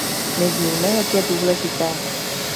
My víme, jak je důležité.